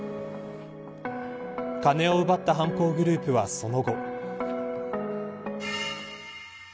金を奪った犯行グループはその後。